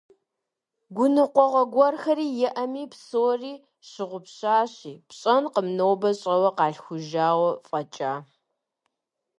Гуныкъуэгъуэ гуэрхэр иӀэми, псори щыгъупщащи, пщӀэнкъым нобэ щӀэуэ къалъхужауэ фӀэкӀа.